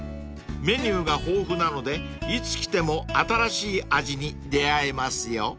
［メニューが豊富なのでいつ来ても新しい味に出合えますよ］